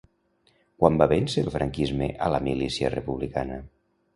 Quan va vèncer el franquisme a la milícia republicana?